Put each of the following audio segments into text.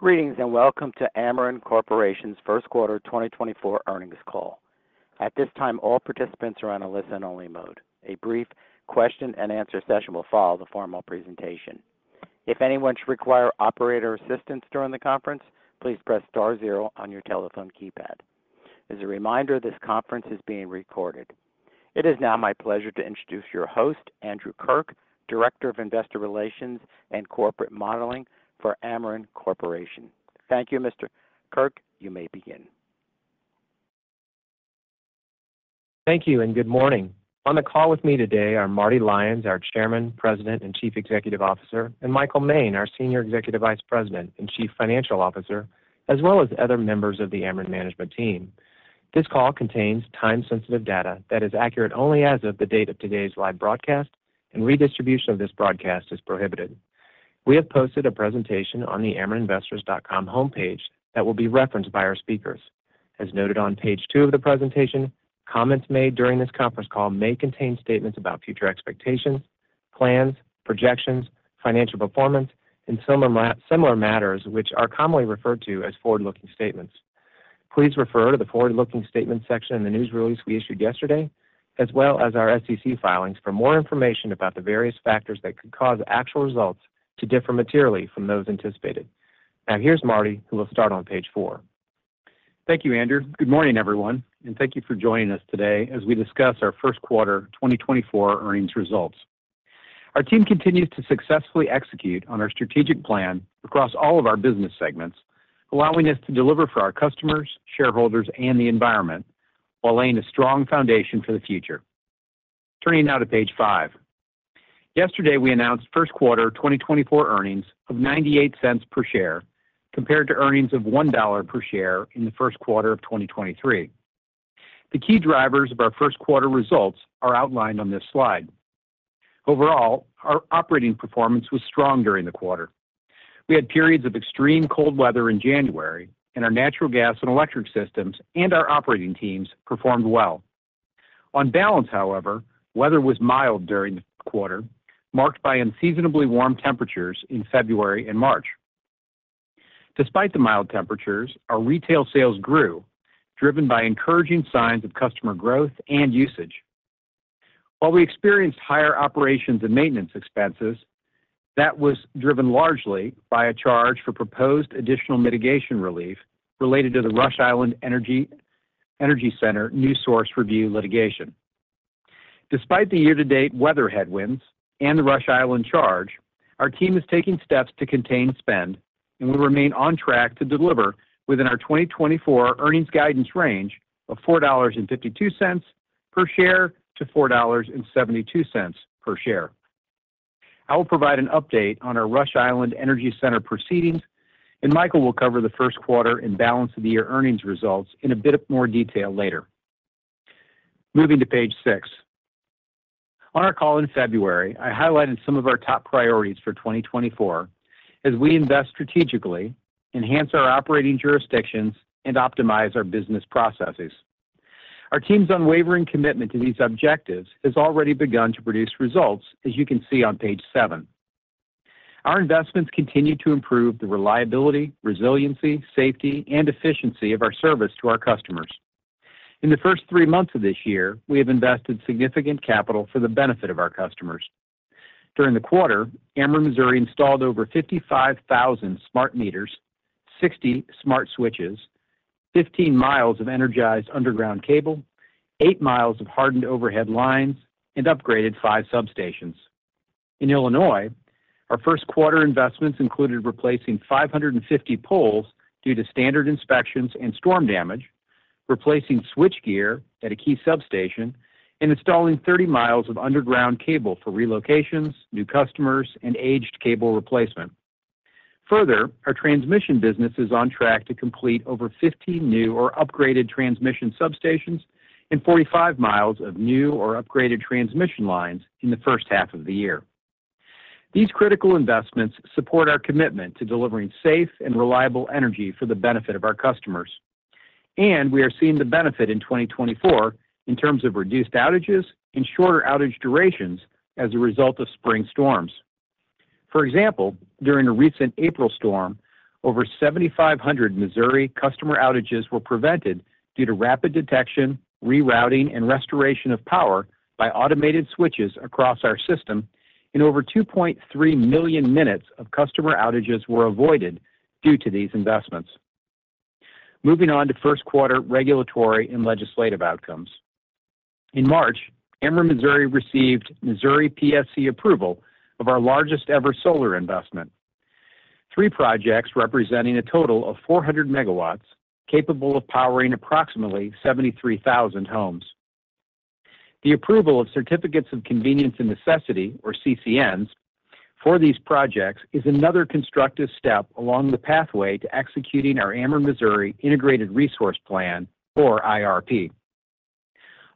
Greetings and welcome to Ameren Corporation's first quarter 2024 earnings call. At this time, all participants are on a listen-only mode. A brief question-and-answer session will follow the formal presentation. If anyone should require operator assistance during the conference, please press star zero on your telephone keypad. As a reminder, this conference is being recorded. It is now my pleasure to introduce your host, Andrew Kirk, Director of Investor Relations and Corporate Modeling for Ameren Corporation. Thank you, Mr. Kirk. You may begin. Thank you and good morning. On the call with me today are Marty Lyons, our Chairman, President, and Chief Executive Officer, and Michael Moehn, our Senior Executive Vice President and Chief Financial Officer, as well as other members of the Ameren management team. This call contains time-sensitive data that is accurate only as of the date of today's live broadcast, and redistribution of this broadcast is prohibited. We have posted a presentation on the Amereninvestors.com homepage that will be referenced by our speakers. As noted on page two of the presentation, comments made during this conference call may contain statements about future expectations, plans, projections, financial performance, and similar matters which are commonly referred to as forward-looking statements. Please refer to the forward-looking statements section in the news release we issued yesterday, as well as our SEC filings for more information about the various factors that could cause actual results to differ materially from those anticipated. Now here's Marty, who will start on page four. Thank you, Andrew. Good morning, everyone, and thank you for joining us today as we discuss our first quarter 2024 earnings results. Our team continues to successfully execute on our strategic plan across all of our business segments, allowing us to deliver for our customers, shareholders, and the environment while laying a strong foundation for the future. Turning now to page five. Yesterday, we announced first quarter 2024 earnings of $0.98 per share compared to earnings of $1 per share in the first quarter of 2023. The key drivers of our first quarter results are outlined on this slide. Overall, our operating performance was strong during the quarter. We had periods of extreme cold weather in January, and our natural gas and electric systems and our operating teams performed well. On balance, however, weather was mild during the quarter, marked by unseasonably warm temperatures in February and March. Despite the mild temperatures, our retail sales grew, driven by encouraging signs of customer growth and usage. While we experienced higher operations and maintenance expenses, that was driven largely by a charge for proposed additional mitigation relief related to the Rush Island Energy Center New Source Review litigation. Despite the year-to-date weather headwinds and the Rush Island charge, our team is taking steps to contain spend, and we remain on track to deliver within our 2024 earnings guidance range of $4.52-$4.72 per share. I will provide an update on our Rush Island Energy Center proceedings, and Michael will cover the first quarter and balance of the year earnings results in a bit more detail later. Moving to page 6. On our call in February, I highlighted some of our top priorities for 2024 as we invest strategically, enhance our operating jurisdictions, and optimize our business processes. Our team's unwavering commitment to these objectives has already begun to produce results, as you can see on page seven. Our investments continue to improve the reliability, resiliency, safety, and efficiency of our service to our customers. In the first three months of this year, we have invested significant capital for the benefit of our customers. During the quarter, Ameren Missouri installed over 55,000 smart meters, 60 smart switches, 15 miles of energized underground cable, 8 miles of hardened overhead lines, and upgraded five substations. In Illinois, our first quarter investments included replacing 550 poles due to standard inspections and storm damage, replacing switch gear at a key substation, and installing 30 miles of underground cable for relocations, new customers, and aged cable replacement. Further, our transmission business is on track to complete over 15 new or upgraded transmission substations and 45 miles of new or upgraded transmission lines in the first half of the year. These critical investments support our commitment to delivering safe and reliable energy for the benefit of our customers, and we are seeing the benefit in 2024 in terms of reduced outages and shorter outage durations as a result of spring storms. For example, during a recent April storm, over 7,500 Missouri customer outages were prevented due to rapid detection, rerouting, and restoration of power by automated switches across our system, and over 2.3 million minutes of customer outages were avoided due to these investments. Moving on to first quarter regulatory and legislative outcomes. In March, Ameren Missouri received Missouri PSC approval of our largest-ever solar investment, three projects representing a total of 400 megawatts capable of powering approximately 73,000 homes. The approval of Certificates of Convenience and Necessity, or CCNs, for these projects is another constructive step along the pathway to executing our Ameren Missouri Integrated Resource Plan, or IRP.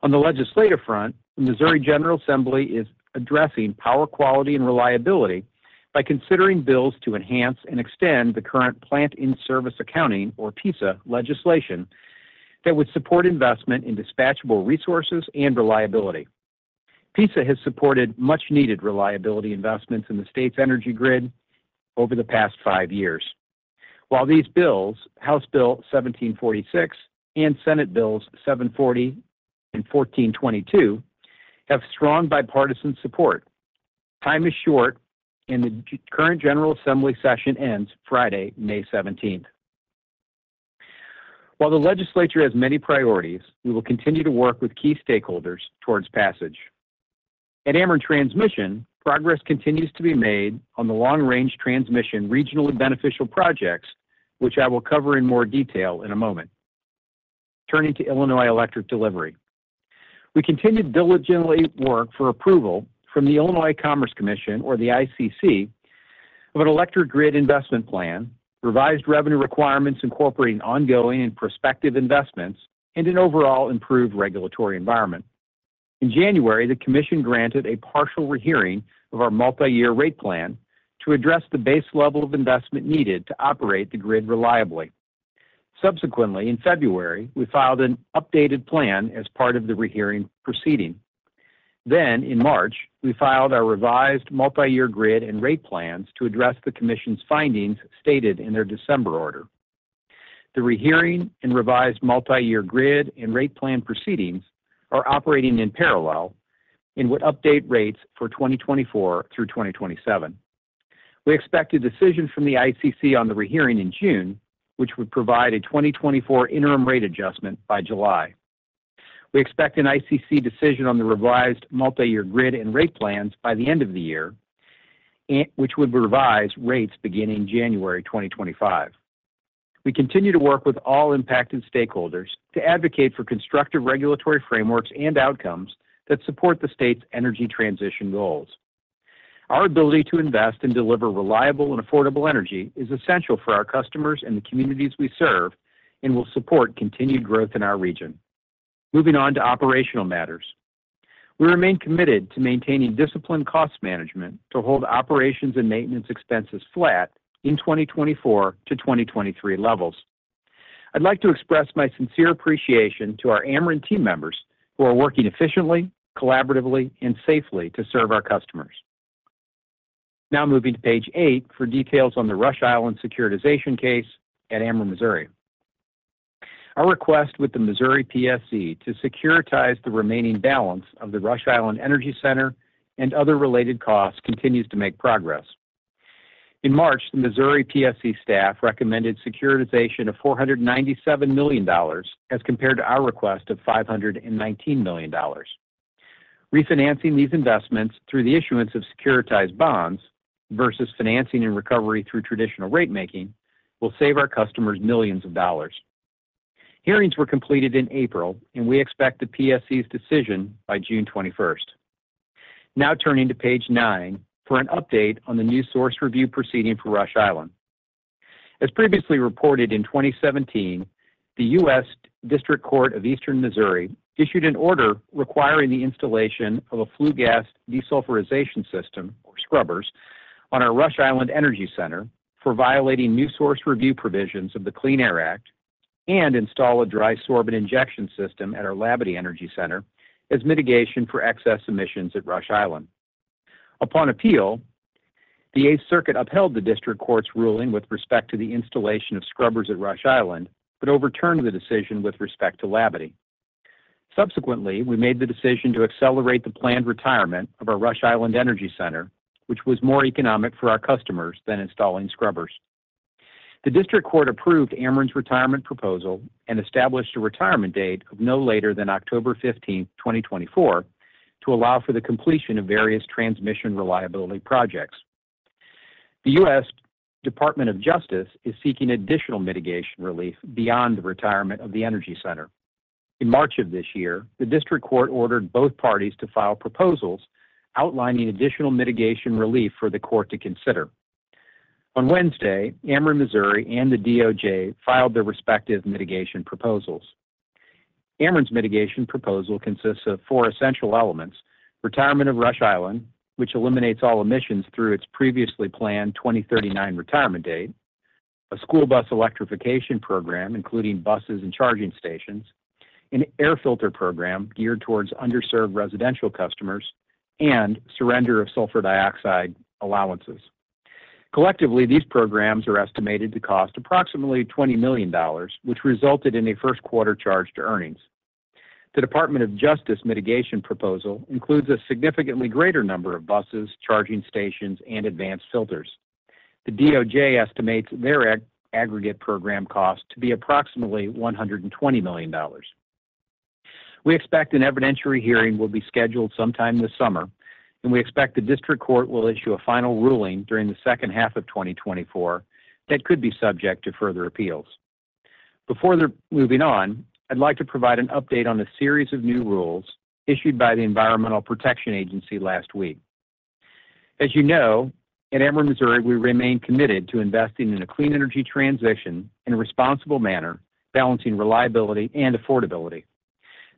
On the legislative front, the Missouri General Assembly is addressing power quality and reliability by considering bills to enhance and extend the current plant-in-service accounting, or PISA, legislation that would support investment in dispatchable resources and reliability. PISA has supported much-needed reliability investments in the state's energy grid over the past five years. While these bills, House Bill 1746 and Senate Bills 740 and 1422, have strong bipartisan support, time is short, and the current General Assembly session ends Friday, May 17th. While the legislature has many priorities, we will continue to work with key stakeholders towards passage. At Ameren Transmission, progress continues to be made on the long-range transmission regionally beneficial projects, which I will cover in more detail in a moment. Turning to Illinois electric delivery. We continue to diligently work for approval from the Illinois Commerce Commission, or the ICC, of an electric grid investment plan, revised revenue requirements incorporating ongoing and prospective investments, and an overall improved regulatory environment. In January, the commission granted a partial rehearing of our multi-year rate plan to address the base level of investment needed to operate the grid reliably. Subsequently, in February, we filed an updated plan as part of the rehearing proceeding. In March, we filed our revised multi-year grid and rate plans to address the commission's findings stated in their December order. The rehearing and revised multi-year grid and rate plan proceedings are operating in parallel and would update rates for 2024 through 2027. We expect a decision from the ICC on the rehearing in June, which would provide a 2024 interim rate adjustment by July. We expect an ICC decision on the revised multi-year grid and rate plans by the end of the year, which would revise rates beginning January 2025. We continue to work with all impacted stakeholders to advocate for constructive regulatory frameworks and outcomes that support the state's energy transition goals. Our ability to invest and deliver reliable and affordable energy is essential for our customers and the communities we serve and will support continued growth in our region. Moving on to operational matters. We remain committed to maintaining disciplined cost management to hold operations and maintenance expenses flat in 2024 to 2023 levels. I'd like to express my sincere appreciation to our Ameren team members who are working efficiently, collaboratively, and safely to serve our customers. Now moving to page 8 for details on the Rush Island securitization case at Ameren Missouri. Our request with the Missouri PSC to securitize the remaining balance of the Rush Island Energy Center and other related costs continues to make progress. In March, the Missouri PSC staff recommended securitization of $497 million as compared to our request of $519 million. Refinancing these investments through the issuance of securitized bonds versus financing and recovery through traditional rate making will save our customers millions of dollars. Hearings were completed in April, and we expect the PSC's decision by June 21st. Now turning to page 9 for an update on the New Source Review proceeding for Rush Island. As previously reported in 2017, the U.S. District Court of Eastern Missouri issued an order requiring the installation of a flue gas desulfurization system, or scrubbers, on our Rush Island Energy Center for violating New Source Review provisions of the Clean Air Act and install a dry sorbent injection system at our Labadie Energy Center as mitigation for excess emissions at Rush Island. Upon appeal, the Eighth Circuit upheld the district court's ruling with respect to the installation of scrubbers at Rush Island but overturned the decision with respect to Labadie. Subsequently, we made the decision to accelerate the planned retirement of our Rush Island Energy Center, which was more economic for our customers than installing scrubbers. The district court approved Ameren's retirement proposal and established a retirement date of no later than October 15th, 2024, to allow for the completion of various transmission reliability projects. The U.S. Department of Justice is seeking additional mitigation relief beyond the retirement of the energy center. In March of this year, the district court ordered both parties to file proposals outlining additional mitigation relief for the court to consider. On Wednesday, Ameren Missouri and the DOJ filed their respective mitigation proposals. Ameren's mitigation proposal consists of four essential elements: retirement of Rush Island, which eliminates all emissions through its previously planned 2039 retirement date, a school bus electrification program, including buses and charging stations, an air filter program geared towards underserved residential customers, and surrender of sulfur dioxide allowances. Collectively, these programs are estimated to cost approximately $20 million, which resulted in a first quarter charge to earnings. The Department of Justice mitigation proposal includes a significantly greater number of buses, charging stations, and advanced filters. The DOJ estimates their aggregate program cost to be approximately $120 million. We expect an evidentiary hearing will be scheduled sometime this summer, and we expect the district court will issue a final ruling during the second half of 2024 that could be subject to further appeals. Before moving on, I'd like to provide an update on a series of new rules issued by the Environmental Protection Agency last week. As you know, at Ameren Missouri, we remain committed to investing in a clean energy transition in a responsible manner, balancing reliability and affordability.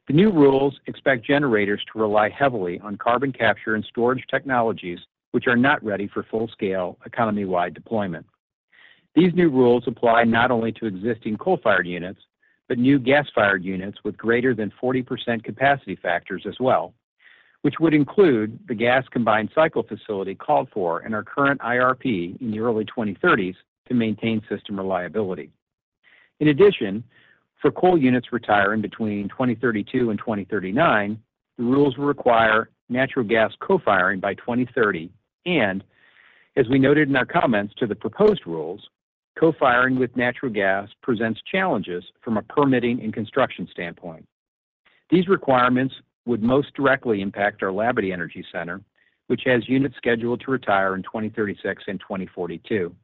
The new rules expect generators to rely heavily on carbon capture and storage technologies, which are not ready for full-scale, economy-wide deployment. These new rules apply not only to existing coal-fired units but new gas-fired units with greater than 40% capacity factors as well, which would include the gas combined cycle facility called for in our current IRP in the early 2030s to maintain system reliability. In addition, for coal units retiring between 2032 and 2039, the rules will require natural gas co-firing by 2030. As we noted in our comments to the proposed rules, co-firing with natural gas presents challenges from a permitting and construction standpoint. These requirements would most directly impact our Labadie Energy Center, which has units scheduled to retire in 2036 and 2042.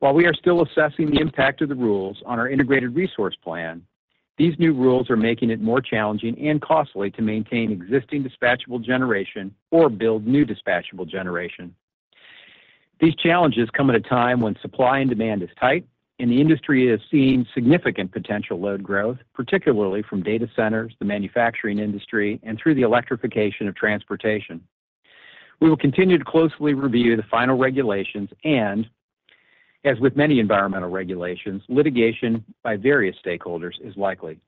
While we are still assessing the impact of the rules on our integrated resource plan, these new rules are making it more challenging and costly to maintain existing dispatchable generation or build new dispatchable generation. These challenges come at a time when supply and demand is tight, and the industry is seeing significant potential load growth, particularly from data centers, the manufacturing industry, and through the electrification of transportation. We will continue to closely review the final regulations and, as with many environmental regulations, litigation by various stakeholders is likely.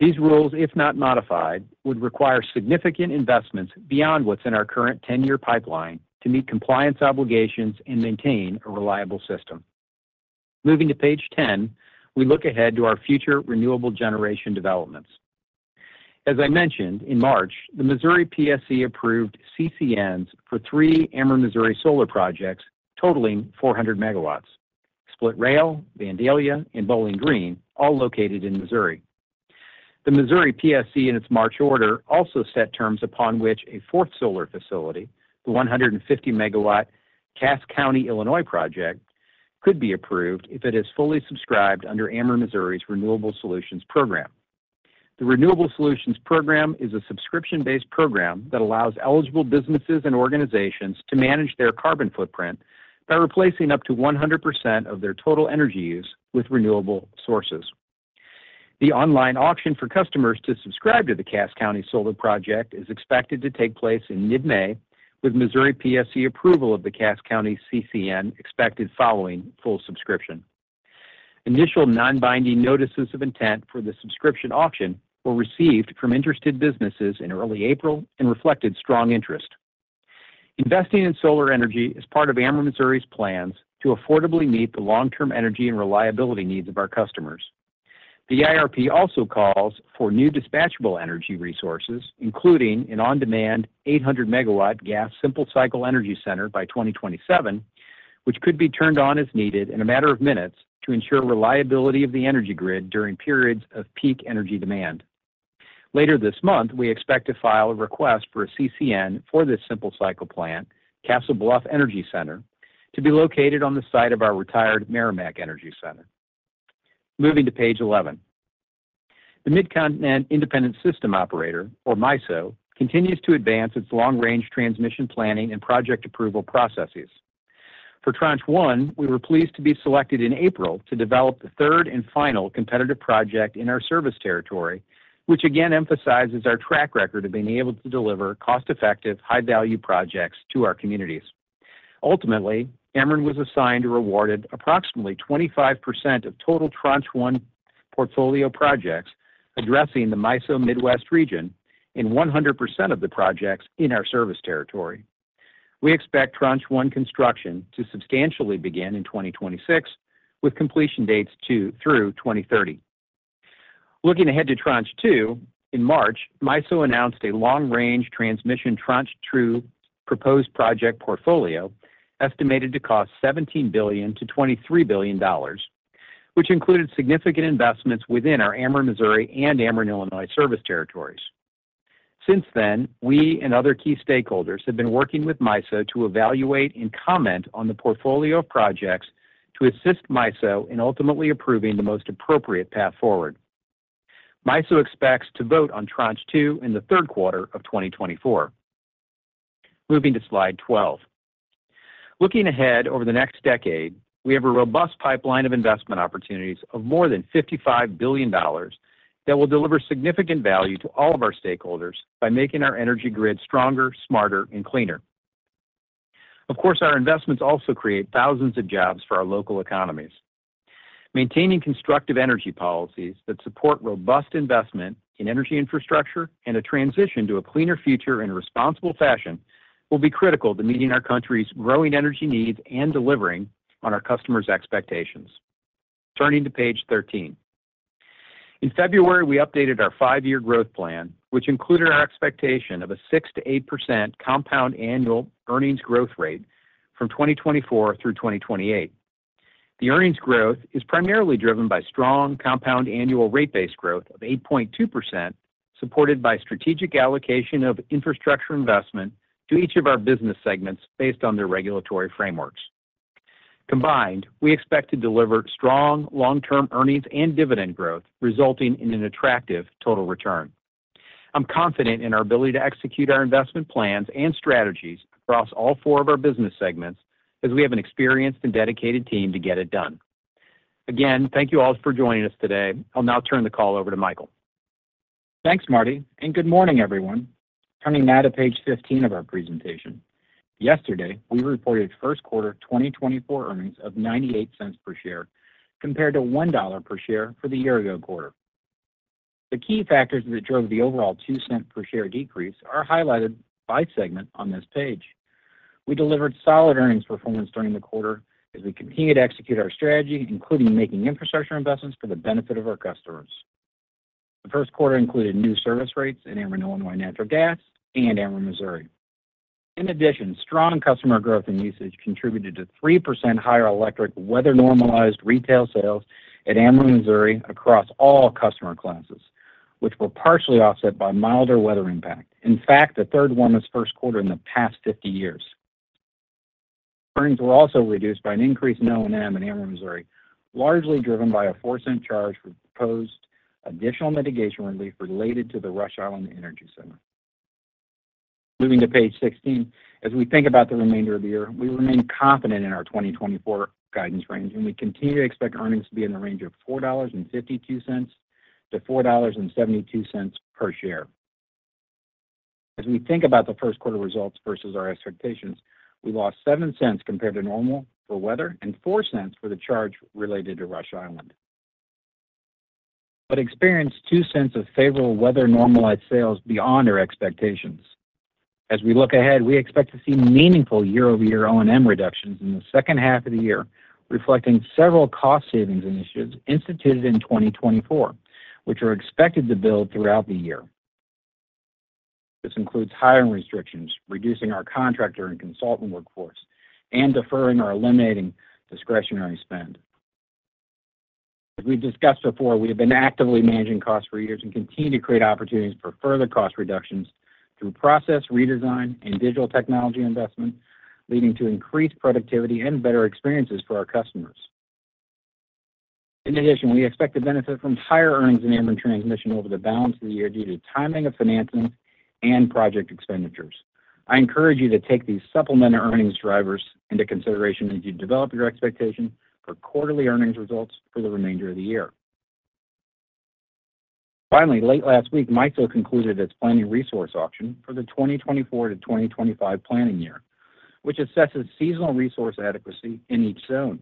These rules, if not modified, would require significant investments beyond what's in our current 10-year pipeline to meet compliance obligations and maintain a reliable system. Moving to page 10, we look ahead to our future renewable generation developments. As I mentioned, in March, the Missouri PSC approved CCNs for three Ameren Missouri solar projects totaling 400 megawatts: Split Rail, Vandalia, and Bowling Green, all located in Missouri. The Missouri PSC, in its March order, also set terms upon which a fourth solar facility, the 150-megawatt Cass County, Illinois project, could be approved if it is fully subscribed under Ameren Missouri's Renewable Solutions Program. The Renewable Solutions Program is a subscription-based program that allows eligible businesses and organizations to manage their carbon footprint by replacing up to 100% of their total energy use with renewable sources. The online auction for customers to subscribe to the Cass County solar project is expected to take place in mid-May with Missouri PSC approval of the Cass County CCN expected following full subscription. Initial non-binding notices of intent for the subscription auction were received from interested businesses in early April and reflected strong interest. Investing in solar energy is part of Ameren Missouri's plans to affordably meet the long-term energy and reliability needs of our customers. The IRP also calls for new dispatchable energy resources, including an on-demand 800-megawatt gas simple cycle energy center by 2027, which could be turned on as needed in a matter of minutes to ensure reliability of the energy grid during periods of peak energy demand. Later this month, we expect to file a request for a CCN for this simple cycle plant, Castle Bluff Energy Center, to be located on the site of our retired Meramec Energy Center. Moving to page 11. The Midcontinent Independent System Operator, or MISO, continues to advance its long-range transmission planning and project approval processes. For Tranche 1, we were pleased to be selected in April to develop the third and final competitive project in our service territory, which again emphasizes our track record of being able to deliver cost-effective, high-value projects to our communities. Ultimately, Ameren was assigned to build approximately 25% of total Tranche 1 portfolio projects addressing the MISO Midwest region and 100% of the projects in our service territory. We expect Tranche 1 construction to substantially begin in 2026, with completion dates through 2030. Looking ahead to Tranche 2, in March, MISO announced a long-range transmission Tranche 2 proposed project portfolio estimated to cost $17 billion-$23 billion, which included significant investments within our Ameren Missouri and Ameren Illinois service territories. Since then, we and other key stakeholders have been working with MISO to evaluate and comment on the portfolio of projects to assist MISO in ultimately approving the most appropriate path forward. MISO expects to vote on Tranche 2 in the third quarter of 2024. Moving to slide 12. Looking ahead over the next decade, we have a robust pipeline of investment opportunities of more than $55 billion that will deliver significant value to all of our stakeholders by making our energy grid stronger, smarter, and cleaner. Of course, our investments also create thousands of jobs for our local economies. Maintaining constructive energy policies that support robust investment in energy infrastructure and a transition to a cleaner future in a responsible fashion will be critical to meeting our country's growing energy needs and delivering on our customers' expectations. Turning to page 13. In February, we updated our five-year growth plan, which included our expectation of a 6%-8% compound annual earnings growth rate from 2024 through 2028. The earnings growth is primarily driven by strong compound annual rate base growth of 8.2%, supported by strategic allocation of infrastructure investment to each of our business segments based on their regulatory frameworks. Combined, we expect to deliver strong long-term earnings and dividend growth, resulting in an attractive total return. I'm confident in our ability to execute our investment plans and strategies across all four of our business segments, as we have an experienced and dedicated team to get it done. Again, thank you all for joining us today. I'll now turn the call over to Michael. Thanks, Marty, and good morning, everyone. Turning now to page 15 of our presentation. Yesterday, we reported first quarter 2024 earnings of $0.98 per share compared to $1 per share for the year-ago quarter. The key factors that drove the overall $0.02 per share decrease are highlighted by segment on this page. We delivered solid earnings performance during the quarter as we continued to execute our strategy, including making infrastructure investments for the benefit of our customers. The first quarter included new service rates in Ameren Illinois Natural Gas and Ameren Missouri. In addition, strong customer growth and usage contributed to 3% higher electric weather-normalized retail sales at Ameren Missouri across all customer classes, which were partially offset by milder weather impact, in fact, the third warmest first quarter in the past 50 years. Earnings were also reduced by an increased O&M in Ameren Missouri, largely driven by a $0.04 charge for proposed additional mitigation relief related to the Rush Island Energy Center. Moving to page 16. As we think about the remainder of the year, we remain confident in our 2024 guidance range, and we continue to expect earnings to be in the range of $4.52-$4.72 per share. As we think about the first quarter results versus our expectations, we lost $0.07 compared to normal for weather and $0.04 for the charge related to Rush Island, but experienced $0.02 of favorable weather-normalized sales beyond our expectations. As we look ahead, we expect to see meaningful year-over-year O&M reductions in the second half of the year, reflecting several cost savings initiatives instituted in 2024, which are expected to build throughout the year. This includes hiring restrictions, reducing our contractor and consultant workforce, and deferring or eliminating discretionary spend. As we've discussed before, we have been actively managing costs for years and continue to create opportunities for further cost reductions through process redesign and digital technology investment, leading to increased productivity and better experiences for our customers. In addition, we expect to benefit from higher earnings in Ameren Transmission over the balance of the year due to timing of financing and project expenditures. I encourage you to take these supplemental earnings drivers into consideration as you develop your expectation for quarterly earnings results for the remainder of the year. Finally, late last week, MISO concluded its planning resource auction for the 2024-2025 planning year, which assesses seasonal resource adequacy in each zone.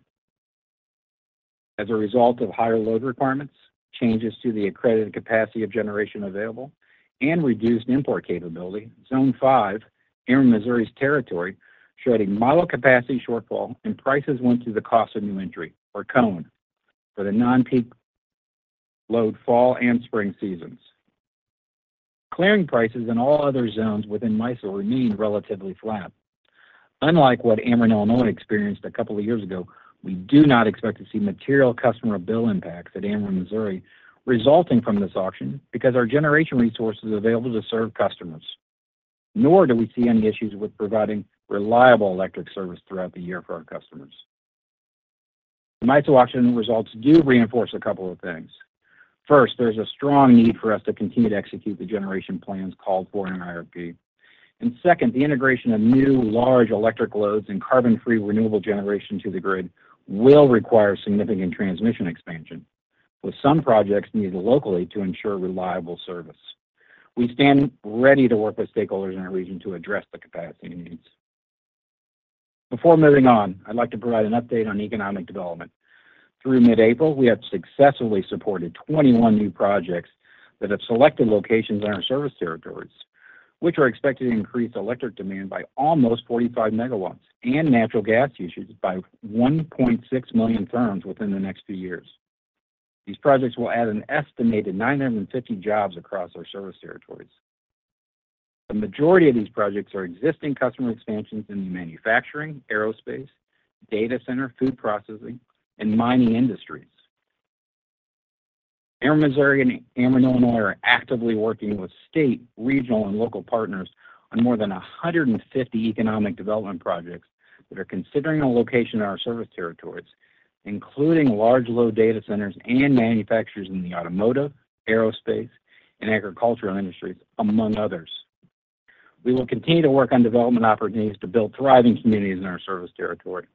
As a result of higher load requirements, changes to the accredited capacity of generation available, and reduced import capability, Zone 5, Ameren Missouri's territory showed a mild capacity shortfall, and prices went to the cost of new entry, or CONE, for the non-peak load fall and spring seasons. Clearing prices in all other zones within MISO remain relatively flat. Unlike what Ameren Illinois experienced a couple of years ago, we do not expect to see material customer bill impacts at Ameren Missouri resulting from this auction because our generation resource is available to serve customers, nor do we see any issues with providing reliable electric service throughout the year for our customers. The MISO auction results do reinforce a couple of things. First, there's a strong need for us to continue to execute the generation plans called for in our IRP. Second, the integration of new large electric loads and carbon-free renewable generation to the grid will require significant transmission expansion, with some projects needed locally to ensure reliable service. We stand ready to work with stakeholders in our region to address the capacity needs. Before moving on, I'd like to provide an update on economic development. Through mid-April, we have successfully supported 21 new projects that have selected locations in our service territories, which are expected to increase electric demand by almost 45 MW and natural gas usage by 1.6 million therms within the next few years. These projects will add an estimated 950 jobs across our service territories. The majority of these projects are existing customer expansions in the manufacturing, aerospace, data center, food processing, and mining industries. Ameren Missouri and Ameren Illinois are actively working with state, regional, and local partners on more than 150 economic development projects that are considering a location in our service territories, including large load data centers and manufacturers in the automotive, aerospace, and agricultural industries, among others. We will continue to work on development opportunities to build thriving communities in our service territory.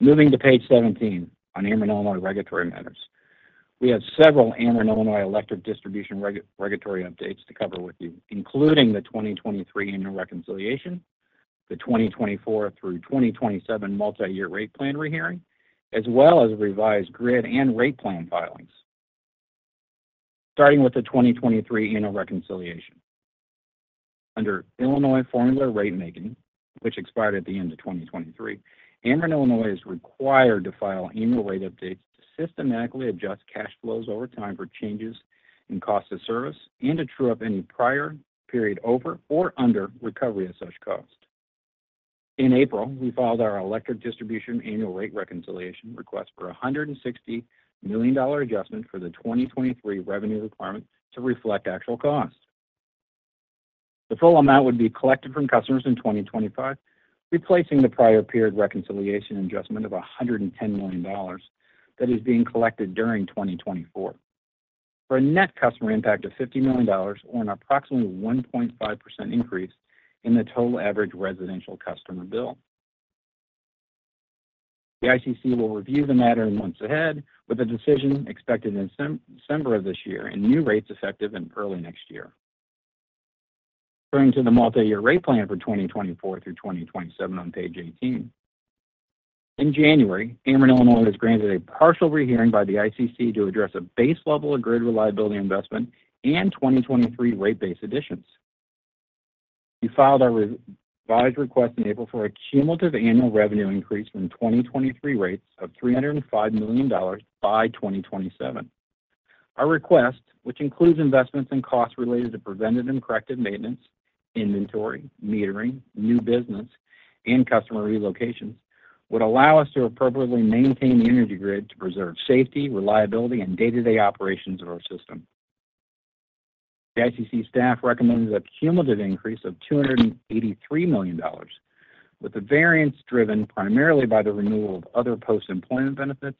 Moving to page 17 on Ameren Illinois regulatory matters. We have several Ameren Illinois electric distribution regulatory updates to cover with you, including the 2023 annual reconciliation, the 2024 through 2027 multi-year rate plan rehearing, as well as revised grid and rate plan filings. Starting with the 2023 annual reconciliation. Under Illinois formula rate making, which expired at the end of 2023, Ameren Illinois is required to file annual rate updates to systematically adjust cash flows over time for changes in cost of service and to true up any prior period over or under recovery of such cost. In April, we filed our electric distribution annual rate reconciliation request for a $160 million adjustment for the 2023 revenue requirement to reflect actual cost. The full amount would be collected from customers in 2025, replacing the prior period reconciliation adjustment of $110 million that is being collected during 2024 for a net customer impact of $50 million or an approximately 1.5% increase in the total average residential customer bill. The ICC will review the matter in months ahead with a decision expected in December of this year and new rates effective in early next year. Turning to the multi-year rate plan for 2024 through 2027 on page 18. In January, Ameren Illinois was granted a partial rehearing by the ICC to address a base level of grid reliability investment and 2023 rate-based additions. We filed our revised request in April for a cumulative annual revenue increase from 2023 rates of $305 million by 2027. Our request, which includes investments and costs related to preventative and corrective maintenance, inventory, metering, new business, and customer relocations, would allow us to appropriately maintain the energy grid to preserve safety, reliability, and day-to-day operations of our system. The ICC staff recommends a cumulative increase of $283 million, with the variance driven primarily by the removal of other post-employment benefits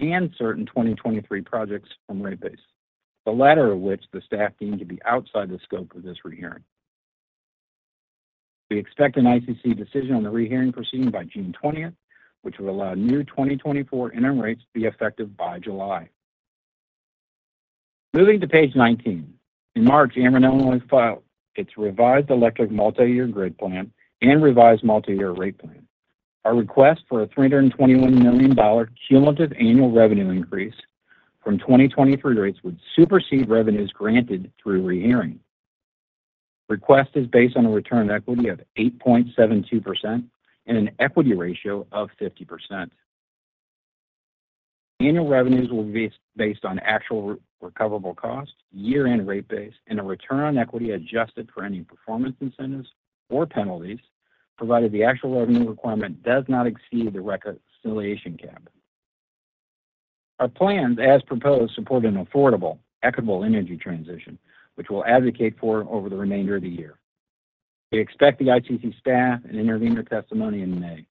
and certain 2023 projects from rate-based, the latter of which the staff deem to be outside the scope of this rehearing. We expect an ICC decision on the rehearing proceeding by June 20th, which will allow new 2024 interim rates to be effective by July. Moving to page 19. In March, Ameren Illinois filed its revised electric multi-year grid plan and revised multi-year rate plan. Our request for a $321 million cumulative annual revenue increase from 2023 rates would supersede revenues granted through rehearing. Request is based on a return on equity of 8.72% and an equity ratio of 50%. Annual revenues will be based on actual recoverable cost, year-end rate base, and a return on equity adjusted for any performance incentives or penalties provided the actual revenue requirement does not exceed the reconciliation cap. Our plans, as proposed, support an affordable, equitable energy transition, which we'll advocate for over the remainder of the year. We expect the ICC staff and intervenor testimony in May,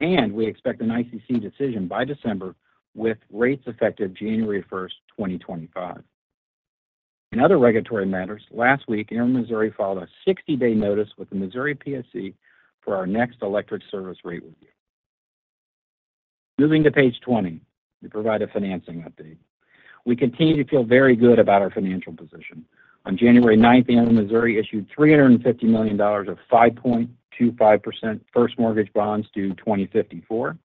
and we expect an ICC decision by December with rates effective January 1st, 2025. In other regulatory matters, last week, Ameren Missouri filed a 60-day notice with the Missouri PSC for our next electric service rate review. Moving to page 20 to provide a financing update. We continue to feel very good about our financial position. On January 9th, Ameren Missouri issued $350 million of 5.25% first mortgage bonds due 2054.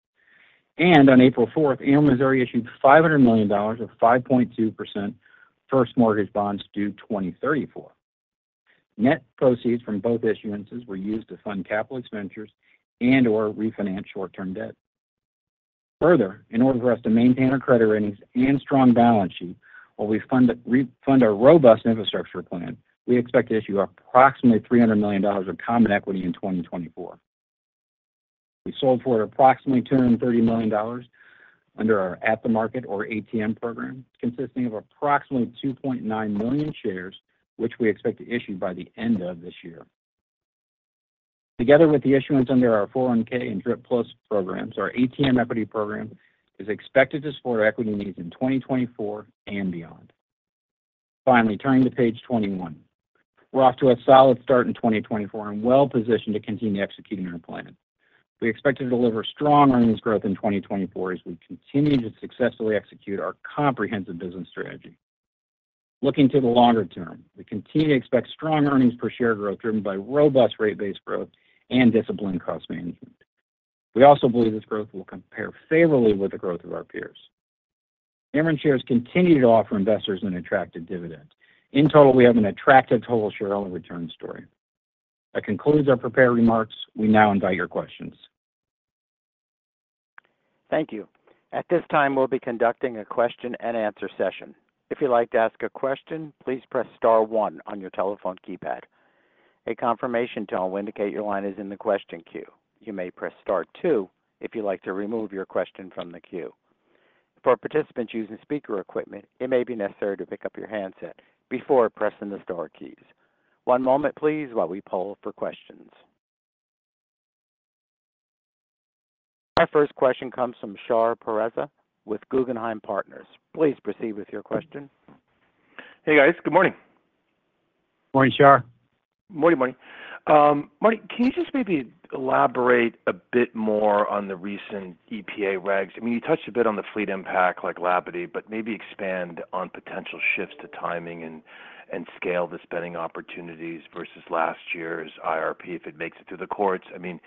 On April 4th, Ameren Missouri issued $500 million of 5.2% first mortgage bonds due 2034. Net proceeds from both issuances were used to fund capital expenditures and/or refinance short-term debt. Further, in order for us to maintain our credit ratings and strong balance sheet while we fund our robust infrastructure plan, we expect to issue approximately $300 million of common equity in 2024. We sold for approximately $230 million under our At-the-Market, or ATM, program, consisting of approximately 2.9 million shares, which we expect to issue by the end of this year. Together with the issuance under our 401(k) and DRPlus programs, our ATM equity program is expected to support our equity needs in 2024 and beyond. Finally, turning to page 21. We're off to a solid start in 2024 and well positioned to continue executing our plan. We expect to deliver strong earnings growth in 2024 as we continue to successfully execute our comprehensive business strategy. Looking to the longer term, we continue to expect strong earnings per share growth driven by robust rate-based growth and disciplined cost management. We also believe this growth will compare favorably with the growth of our peers. Ameren shares continue to offer investors an attractive dividend. In total, we have an attractive total shareholder return story. I conclude our prepared remarks. We now invite your questions. Thank you. At this time, we'll be conducting a question-and-answer session. If you'd like to ask a question, please press star one on your telephone keypad. A confirmation tone will indicate your line is in the question queue. You may press star two if you'd like to remove your question from the queue. For participants using speaker equipment, it may be necessary to pick up your handset before pressing the star keys. One moment, please, while we pull for questions. Our first question comes from Shahriar Pourreza with Guggenheim Partners. Please proceed with your question. Hey, guys. Good morning. Morning, Shah. Morning, morning. Marty, can you just maybe elaborate a bit more on the recent EPA regs? I mean, you touched a bit on the fleet impact, like Labadie, but maybe expand on potential shifts to timing and scale the spending opportunities versus last year's IRP, if it makes it through the courts. I mean,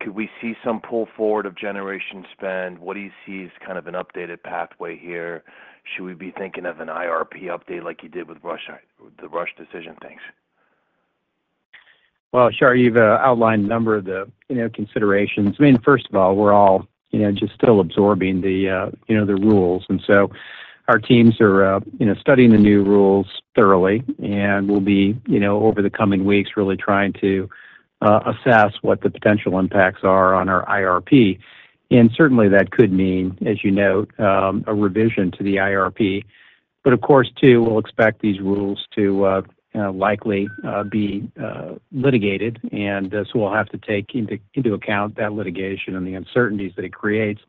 could we see some pull forward of generation spend? What do you see as kind of an updated pathway here? Should we be thinking of an IRP update like you did with the Rush decision? Thanks. Well, Shah, you've outlined a number of the considerations. I mean, first of all, we're all just still absorbing the rules. And so our teams are studying the new rules thoroughly, and we'll be, over the coming weeks, really trying to assess what the potential impacts are on our IRP. And certainly, that could mean, as you note, a revision to the IRP. But of course, too, we'll expect these rules to likely be litigated, and so we'll have to take into account that litigation and the uncertainties that it creates.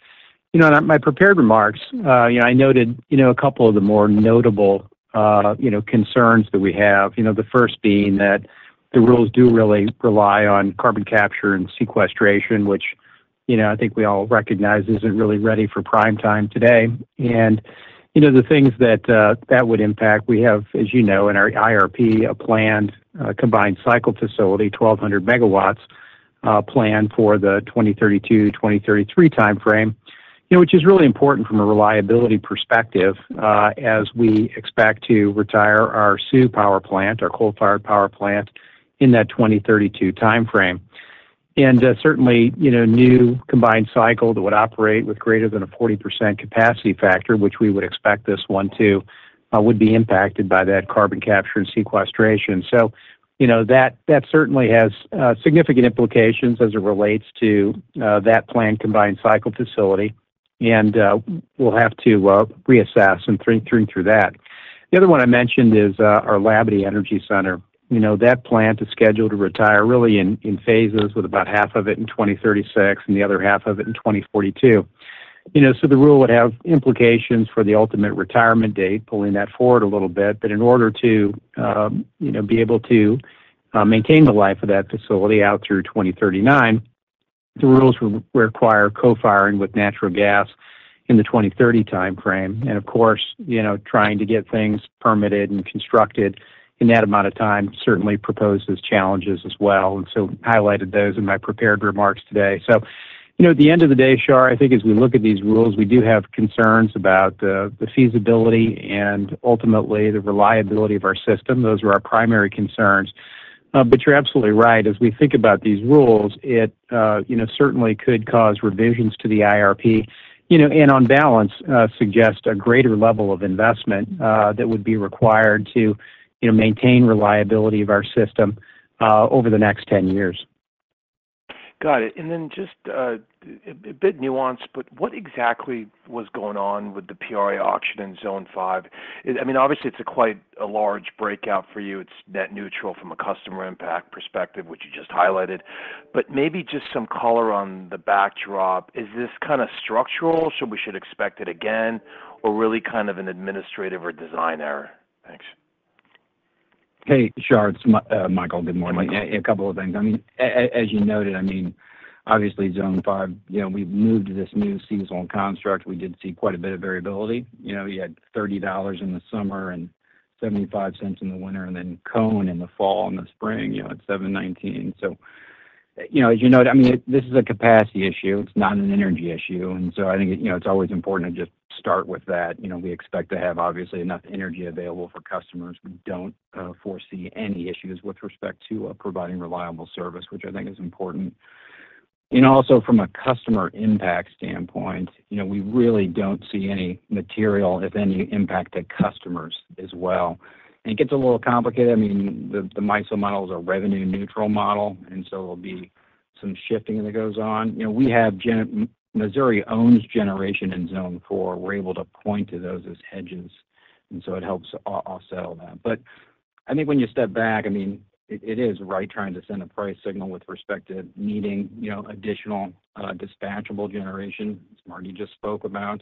In my prepared remarks, I noted a couple of the more notable concerns that we have, the first being that the rules do really rely on carbon capture and sequestration, which I think we all recognize isn't really ready for prime time today. The things that would impact, we have, as you know, in our IRP, a planned combined cycle facility, 1,200 megawatts planned for the 2032-2033 time frame, which is really important from a reliability perspective as we expect to retire our Sioux Energy Center, our coal-fired power plant, in that 2032 time frame. Certainly, new combined cycle that would operate with greater than a 40% capacity factor, which we would expect this one to, would be impacted by that carbon capture and sequestration. That certainly has significant implications as it relates to that planned combined cycle facility, and we'll have to reassess and think through that. The other one I mentioned is our Labadie Energy Center. That plant is scheduled to retire really in phases, with about half of it in 2036 and the other half of it in 2042. So the rule would have implications for the ultimate retirement date, pulling that forward a little bit. But in order to be able to maintain the life of that facility out through 2039, the rules would require co-firing with natural gas in the 2030 time frame. And of course, trying to get things permitted and constructed in that amount of time certainly poses challenges as well and so highlighted those in my prepared remarks today. So at the end of the day, Shah, I think as we look at these rules, we do have concerns about the feasibility and ultimately the reliability of our system. Those are our primary concerns. But you're absolutely right. As we think about these rules, it certainly could cause revisions to the IRP and, on balance, suggest a greater level of investment that would be required to maintain reliability of our system over the next 10 years. Got it. And then just a bit nuanced, but what exactly was going on with the PRA auction in Zone 5? I mean, obviously, it's quite a large breakout for you. It's net neutral from a customer impact perspective, which you just highlighted. But maybe just some color on the backdrop. Is this kind of structural? Should we expect it again, or really kind of an administrative or design error? Thanks. Hey, Shah. It's Michael. Good morning. A couple of things. I mean, as you noted, I mean, obviously, Zone 5, we've moved to this new seasonal construct. We did see quite a bit of variability. You had $30 in the summer and $0.75 in the winter and then CONE in the fall and the spring at $7.19. So as you note, I mean, this is a capacity issue. It's not an energy issue. And so I think it's always important to just start with that. We expect to have, obviously, enough energy available for customers. We don't foresee any issues with respect to providing reliable service, which I think is important. Also, from a customer impact standpoint, we really don't see any, if any, impact to customers as well. And it gets a little complicated. I mean, the MISO models are revenue-neutral model, and so there'll be some shifting that goes on. Missouri owns generation in Zone 4. We're able to point to those as hedges, and so it helps offset all that. But I think when you step back, I mean, it is right trying to send a price signal with respect to needing additional dispatchable generation as Marty just spoke about.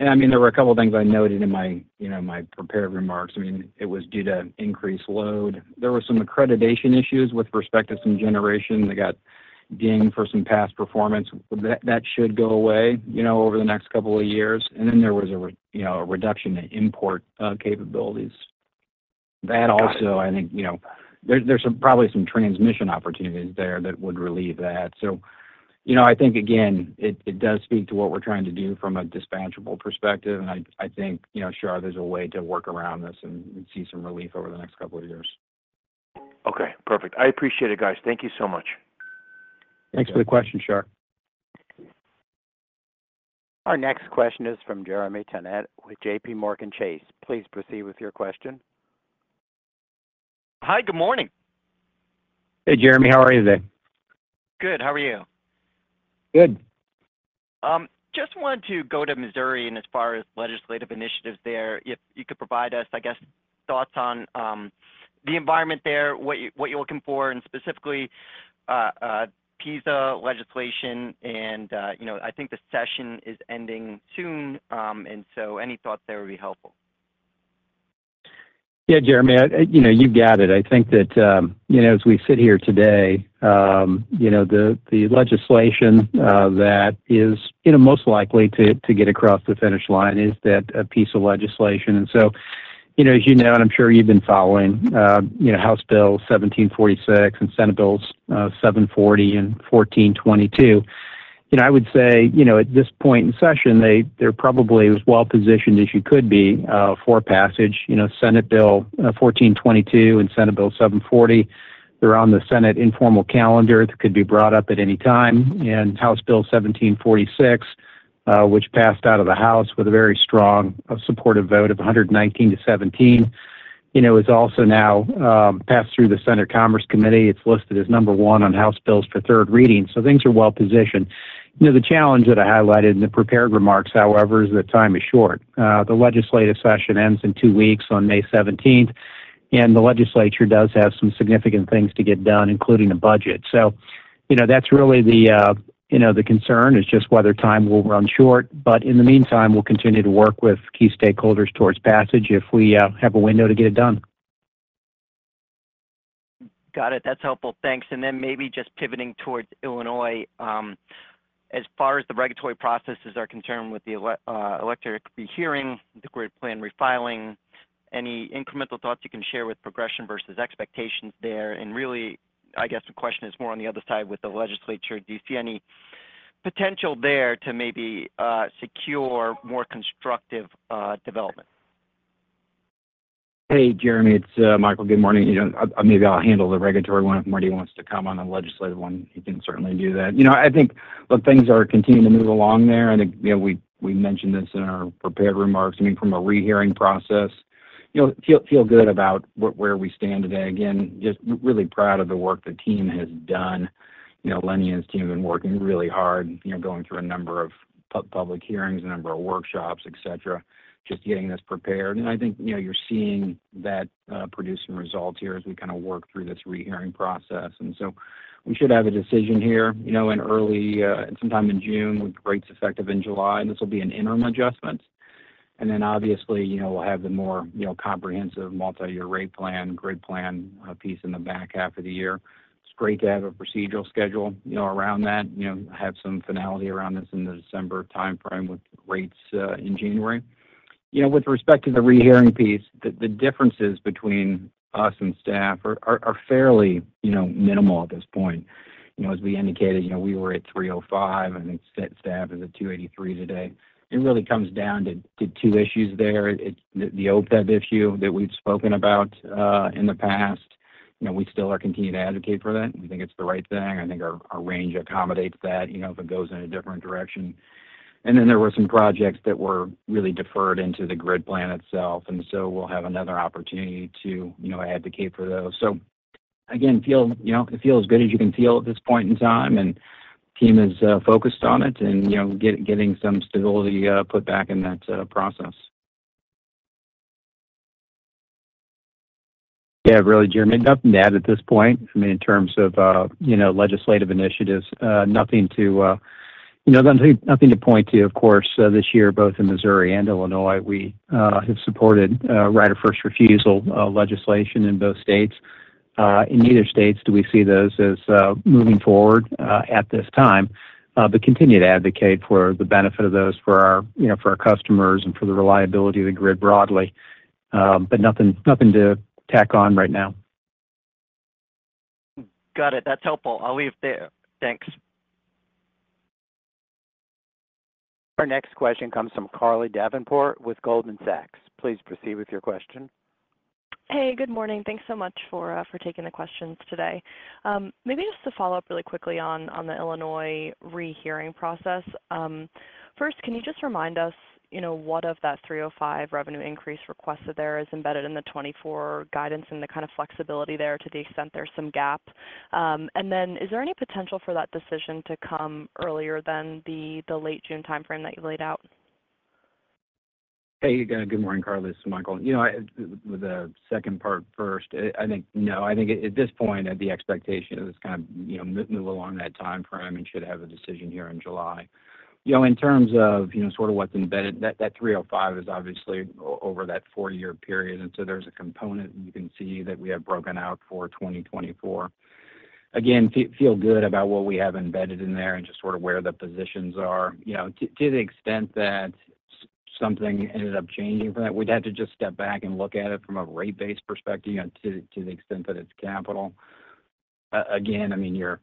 And I mean, there were a couple of things I noted in my prepared remarks. I mean, it was due to increased load. There were some accreditation issues with respect to some generation that got dinged for some past performance. That should go away over the next couple of years. And then there was a reduction in import capabilities. That also, I think there's probably some transmission opportunities there that would relieve that. I think, again, it does speak to what we're trying to do from a dispatchable perspective. I think, Shah, there's a way to work around this and see some relief over the next couple of years. Okay. Perfect. I appreciate it, guys. Thank you so much. Thanks for the question, Shah. Our next question is from Jeremy Tonet with J.P. Morgan Chase. Please proceed with your question. Hi. Good morning. Hey, Jeremy. How are you today? Good. How are you? Good. Just wanted to go to Missouri and as far as legislative initiatives there, if you could provide us, I guess, thoughts on the environment there, what you're looking for, and specifically PISA legislation. I think the session is ending soon, and so any thoughts there would be helpful. Yeah, Jeremy, you've got it. I think that as we sit here today, the legislation that is most likely to get across the finish line is that PISA legislation. So, as you know, and I'm sure you've been following House Bill 1746 and Senate Bills 740 and 1422, I would say at this point in session, they're probably as well positioned as you could be for passage. Senate Bill 1422 and Senate Bill 740, they're on the Senate informal calendar. They could be brought up at any time. House Bill 1746, which passed out of the House with a very strong supportive vote of 119-17, is also now passed through the Senate Commerce Committee. It's listed as number 1 on House Bills for third reading. Things are well positioned. The challenge that I highlighted in the prepared remarks, however, is that time is short. The legislative session ends in two weeks on May 17th, and the legislature does have some significant things to get done, including a budget. That's really the concern, is just whether time will run short. In the meantime, we'll continue to work with key stakeholders towards passage if we have a window to get it done. Got it. That's helpful. Thanks. And then maybe just pivoting towards Illinois, as far as the regulatory processes are concerned with the electricity hearing, the grid plan refiling, any incremental thoughts you can share with progression versus expectations there. And really, I guess the question is more on the other side with the legislature. Do you see any potential there to maybe secure more constructive development? Hey, Jeremy. It's Michael. Good morning. Maybe I'll handle the regulatory one. If Marty wants to come on the legislative one, he can certainly do that. I think, look, things are continuing to move along there. I think we mentioned this in our prepared remarks. I mean, from a rehearing process, feel good about where we stand today. Again, just really proud of the work the team has done. Lenny and his team have been working really hard, going through a number of public hearings, a number of workshops, etc., just getting this prepared. And I think you're seeing that producing results here as we kind of work through this rehearing process. And so we should have a decision here sometime in June with rates effective in July. And this will be an interim adjustment. And then, obviously, we'll have the more comprehensive multi-year rate plan, grid plan piece in the back half of the year. It's great to have a procedural schedule around that, have some finality around this in the December time frame with rates in January. With respect to the rehearing piece, the differences between us and staff are fairly minimal at this point. As we indicated, we were at 305, and staff is at 283 today. It really comes down to two issues there, the OPEB issue that we've spoken about in the past. We still are continuing to advocate for that. We think it's the right thing. I think our range accommodates that if it goes in a different direction. And then there were some projects that were really deferred into the grid plan itself. And so we'll have another opportunity to advocate for those. So again, it feels good as you can feel at this point in time, and the team is focused on it and getting some stability put back in that process. Yeah, really, Jeremy, nothing to add at this point. I mean, in terms of legislative initiatives, nothing to point to. Of course, this year, both in Missouri and Illinois, we have supported right of first refusal legislation in both states. In neither state do we see those as moving forward at this time, but continue to advocate for the benefit of those for our customers and for the reliability of the grid broadly, but nothing to tack on right now. Got it. That's helpful. I'll leave it there. Thanks. Our next question comes from Carly Davenport with Goldman Sachs. Please proceed with your question. Hey. Good morning. Thanks so much for taking the questions today. Maybe just to follow up really quickly on the Illinois rehearing process. First, can you just remind us what of that $305 revenue increase requested there is embedded in the 2024 guidance and the kind of flexibility there to the extent there's some gap? And then is there any potential for that decision to come earlier than the late June time frame that you laid out? Hey, good morning, Carly. This is Michael. With the second part first, I think no. I think at this point, the expectation is kind of move along that time frame and should have a decision here in July. In terms of sort of what's embedded, that $305 is obviously over that four-year period. And so there's a component you can see that we have broken out for 2024. Again, feel good about what we have embedded in there and just sort of where the positions are. To the extent that something ended up changing from that, we'd have to just step back and look at it from a rate-based perspective to the extent that it's capital. Again, I mean, you're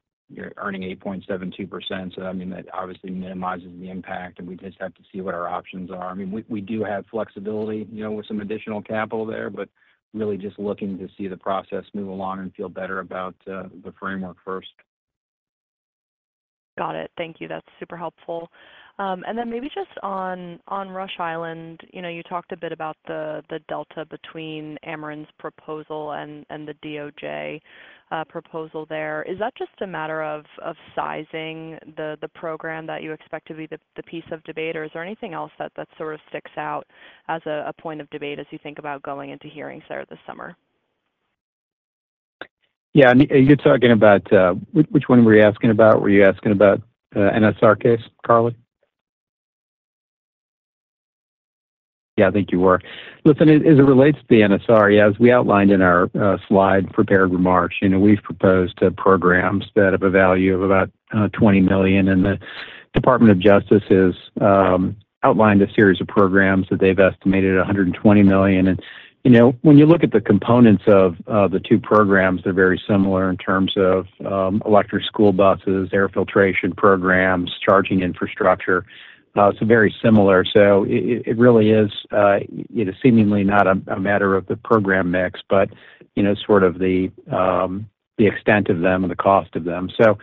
earning 8.72%. So I mean, that obviously minimizes the impact, and we just have to see what our options are. I mean, we do have flexibility with some additional capital there, but really just looking to see the process move along and feel better about the framework first. Got it. Thank you. That's super helpful. And then maybe just on Rush Island, you talked a bit about the delta between Ameren's proposal and the DOJ proposal there. Is that just a matter of sizing the program that you expect to be the piece of debate? Or is there anything else that sort of sticks out as a point of debate as you think about going into hearings there this summer? Yeah. You're talking about which one were you asking about? Were you asking about NSR case, Carly? Yeah, I think you were. Listen, as it relates to the NSR, yeah, as we outlined in our slide prepared remarks, we've proposed programs that have a value of about $20 million. And the Department of Justice has outlined a series of programs that they've estimated at $120 million. And when you look at the components of the two programs, they're very similar in terms of electric school buses, air filtration programs, charging infrastructure. It's very similar. So it really is seemingly not a matter of the program mix, but sort of the extent of them and the cost of them. So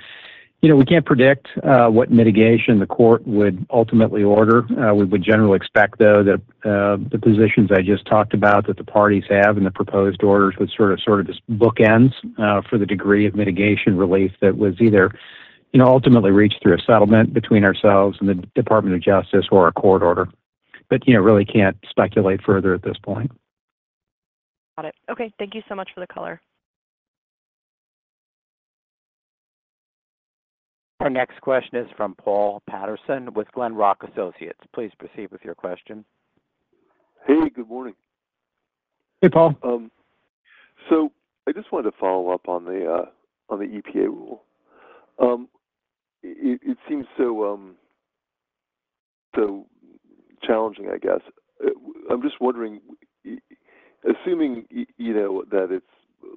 we can't predict what mitigation the court would ultimately order. We would generally expect, though, that the positions I just talked about that the parties have in the proposed orders would sort of just bookends for the degree of mitigation relief that was either ultimately reached through a settlement between ourselves and the Department of Justice or a court order. But really can't speculate further at this point. Got it. Okay. Thank you so much for the color. Our next question is from Paul Patterson with Glenrock Associates. Please proceed with your question. Hey. Good morning. Hey, Paul. So I just wanted to follow up on the EPA rule. It seems so challenging, I guess. I'm just wondering, assuming that it's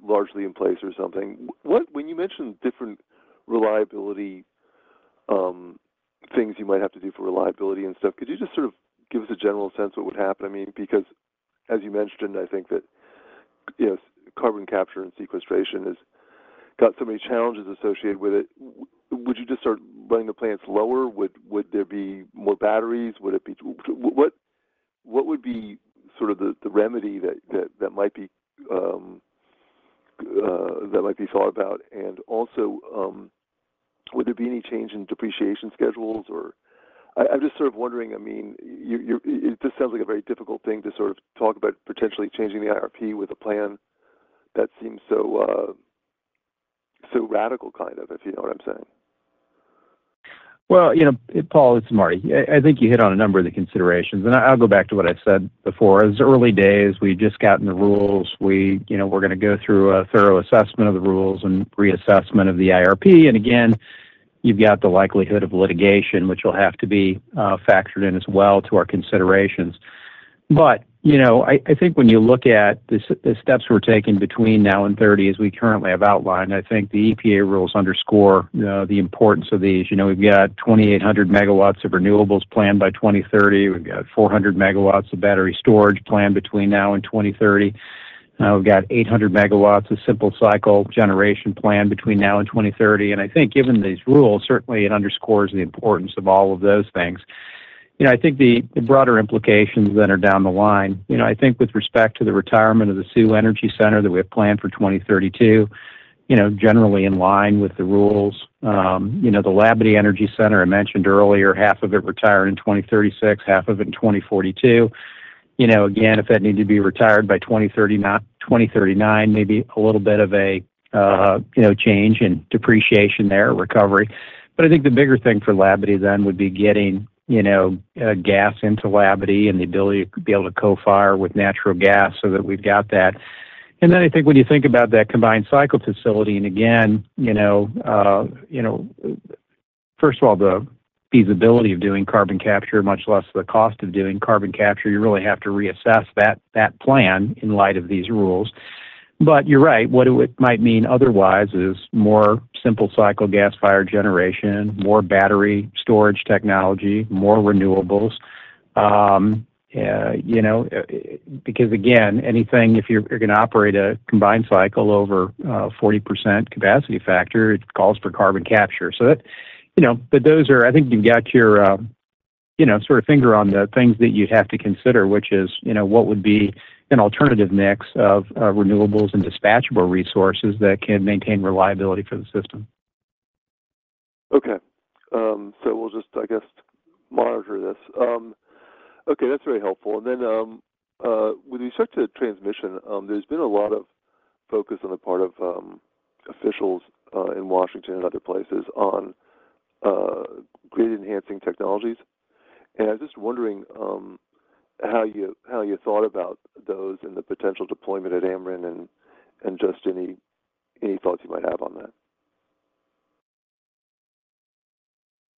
largely in place or something, when you mentioned different things you might have to do for reliability and stuff, could you just sort of give us a general sense what would happen? I mean, because as you mentioned, I think that carbon capture and sequestration has got so many challenges associated with it. Would you just start running the plants lower? Would there be more batteries? Would it be what would be sort of the remedy that might be thought about? And also, would there be any change in depreciation schedules? Or I'm just sort of wondering. I mean, this sounds like a very difficult thing to sort of talk about potentially changing the IRP with a plan that seems so radical, kind of, if you know what I'm saying. Well, Paul, it's Marty. I think you hit on a number of the considerations. I'll go back to what I said before. It was early days. We just got in the rules. We're going to go through a thorough assessment of the rules and reassessment of the IRP. Again, you've got the likelihood of litigation, which will have to be factored in as well to our considerations. But I think when you look at the steps we're taking between now and 2030, as we currently have outlined, I think the EPA rules underscore the importance of these. We've got 2,800 MW of renewables planned by 2030. We've got 400 MW of battery storage planned between now and 2030. We've got 800 MW of simple cycle generation planned between now and 2030. And I think given these rules, certainly, it underscores the importance of all of those things. I think the broader implications that are down the line, I think with respect to the retirement of the Sioux Energy Center that we have planned for 2032, generally in line with the rules, the Labadie Energy Center I mentioned earlier, half of it retiring in 2036, half of it in 2042. Again, if that needed to be retired by 2039, maybe a little bit of a change in depreciation there, recovery. But I think the bigger thing for Labadie then would be getting gas into Labadie and the ability to be able to co-fire with natural gas so that we've got that. And then I think when you think about that combined cycle facility and again, first of all, the feasibility of doing carbon capture, much less the cost of doing carbon capture, you really have to reassess that plan in light of these rules. But you're right. What it might mean otherwise is more simple cycle gas-fired generation, more battery storage technology, more renewables. Because again, anything, if you're going to operate a combined cycle over 40% capacity factor, it calls for carbon capture. But those are, I think, you've got your sort of finger on the things that you'd have to consider, which is what would be an alternative mix of renewables and dispatchable resources that can maintain reliability for the system. Okay. So we'll just, I guess, monitor this. Okay. That's very helpful. And then with respect to transmission, there's been a lot of focus on the part of officials in Washington and other places on grid-enhancing technologies. And I was just wondering how you thought about those and the potential deployment at Ameren and just any thoughts you might have on that.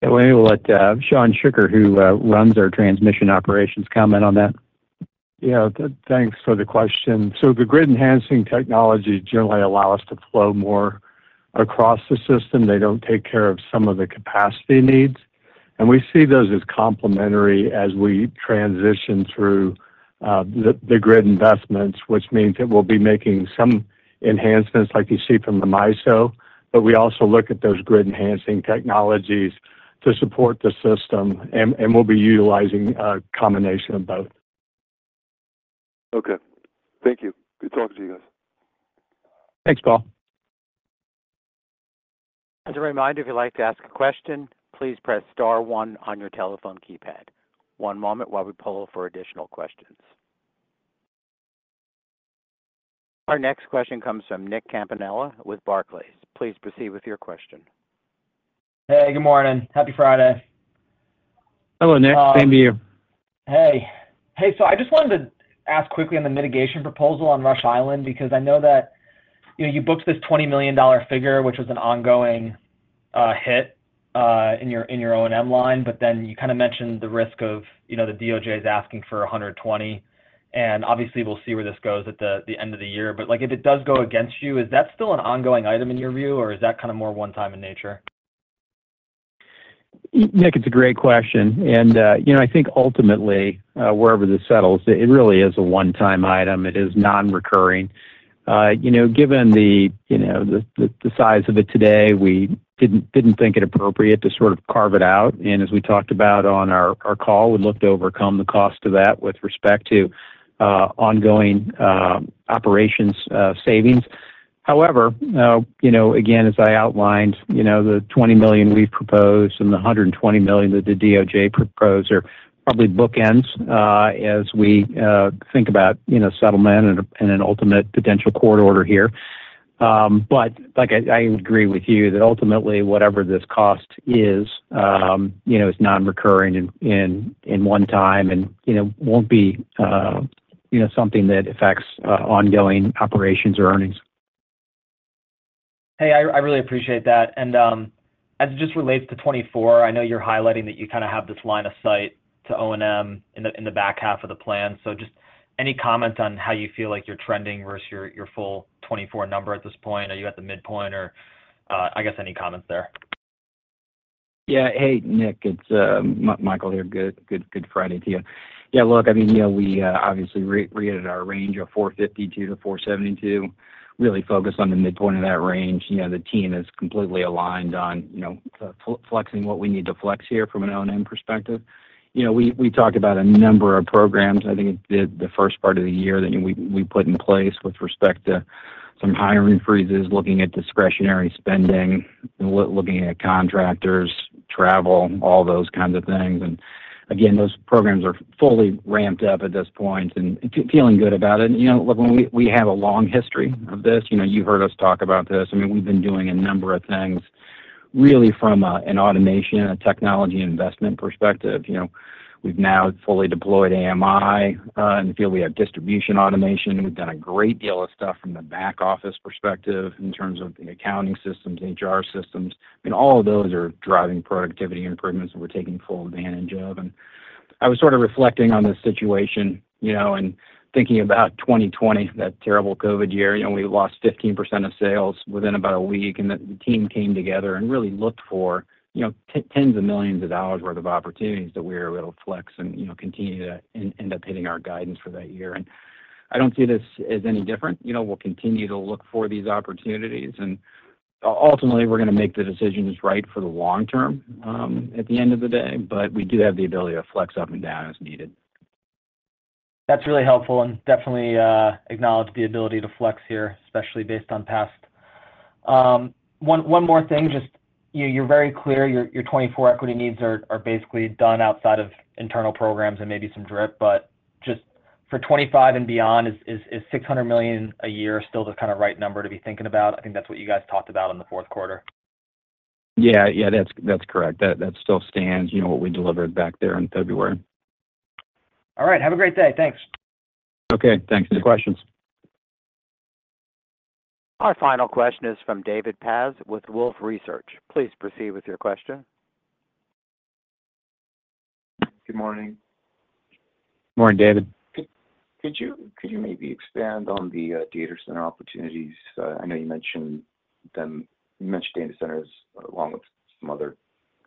Yeah. Let me let Shawn Schukar, who runs our transmission operations, comment on that. Yeah. Thanks for the question. So the grid-enhancing technology generally allows us to flow more across the system. They don't take care of some of the capacity needs. And we see those as complementary as we transition through the grid investments, which means that we'll be making some enhancements like you see from the MISO. But we also look at those grid-enhancing technologies to support the system, and we'll be utilizing a combination of both. Okay. Thank you. Good talking to you guys. Thanks, Paul. As a reminder, if you'd like to ask a question, please press star one on your telephone keypad. One moment while we poll for additional questions. Our next question comes from Nick Campanella with Barclays. Please proceed with your question. Hey. Good morning. Happy Friday. Hello, Nick. Same to you. Hey. Hey. So I just wanted to ask quickly on the mitigation proposal on Rush Island because I know that you booked this $20 million figure, which was an ongoing hit in your O&M line. But then you kind of mentioned the risk of the DOJ is asking for $120 million. And obviously, we'll see where this goes at the end of the year. But if it does go against you, is that still an ongoing item in your view, or is that kind of more one-time in nature? Nick, it's a great question. And I think ultimately, wherever this settles, it really is a one-time item. It is non-recurring. Given the size of it today, we didn't think it appropriate to sort of carve it out. And as we talked about on our call, we looked to overcome the cost of that with respect to ongoing operations savings. However, again, as I outlined, the $20 million we've proposed and the $120 million that the DOJ proposed are probably book ends as we think about settlement and an ultimate potential court order here. But I would agree with you that ultimately, whatever this cost is, it's non-recurring in one time and won't be something that affects ongoing operations or earnings. Hey. I really appreciate that. As it just relates to 2024, I know you're highlighting that you kind of have this line of sight to O&M in the back half of the plan. So just any comments on how you feel like you're trending versus your full 2024 number at this point? Are you at the midpoint? Or I guess any comments there? Yeah. Hey, Nick. It's Michael here. Good Friday to you. Yeah. Look, I mean, we obviously reiterate our range of $4.52-$4.72, really focused on the midpoint of that range. The team is completely aligned on flexing what we need to flex here from an O&M perspective. We talked about a number of programs. I think the first part of the year that we put in place with respect to some hiring freezes, looking at discretionary spending, looking at contractors, travel, all those kinds of things. And again, those programs are fully ramped up at this point and feeling good about it. Look, when we have a long history of this, you've heard us talk about this. I mean, we've been doing a number of things really from an automation, a technology investment perspective. We've now fully deployed AMI in the field. We have distribution automation. We've done a great deal of stuff from the back office perspective in terms of the accounting systems, HR systems. I mean, all of those are driving productivity improvements that we're taking full advantage of. I was sort of reflecting on this situation and thinking about 2020, that terrible COVID year. We lost 15% of sales within about a week. The team came together and really looked for $10s of millions' worth of opportunities that we were able to flex and continue to end up hitting our guidance for that year. I don't see this as any different. We'll continue to look for these opportunities. Ultimately, we're going to make the decisions right for the long term at the end of the day. We do have the ability to flex up and down as needed. That's really helpful and definitely acknowledge the ability to flex here, especially based on past one more thing. Just, you're very clear. Your '24 equity needs are basically done outside of internal programs and maybe some DRIP. But just for '25 and beyond, is $600 million a year still the kind of right number to be thinking about? I think that's what you guys talked about in the fourth quarter. Yeah. Yeah. That's correct. That still stands, what we delivered back there in February. All right. Have a great day. Thanks. Okay. Thanks. Good questions. Our final question is from David Paz with Wolfe Research. Please proceed with your question. Good morning. Morning, David. Could you maybe expand on the data center opportunities? I know you mentioned them you mentioned data centers along with some other